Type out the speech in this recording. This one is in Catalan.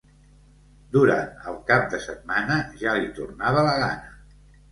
Durant el cap de setmana ja li tornava la gana.